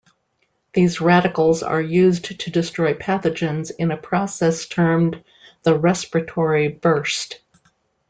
These radicals are used to destroy pathogens in a process termed the respiratory burst.